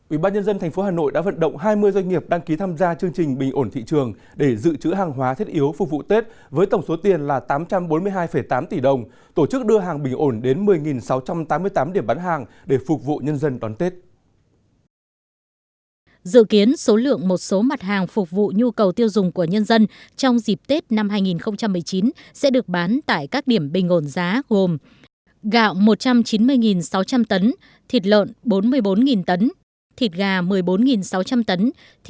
ubnd tp hà nội đã vận động hai mươi doanh nghiệp đăng ký tham gia chương trình bình ổn thị trường để giữ chữ hàng hóa thiết yếu phục vụ tết với tổng số tiền là tám trăm bốn mươi hai tám tỷ đồng tổ chức đưa hàng bình ổn đến một mươi sáu trăm tám mươi tám điểm bán hàng để phục vụ nhân dân đón tết